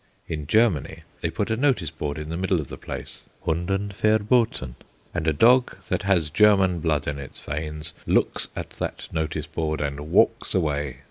In Germany, they put a notice board in the middle of the place, "Hunden verboten," and a dog that has German blood in its veins looks at that notice board and walks away.